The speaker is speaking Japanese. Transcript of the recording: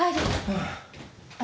ああ。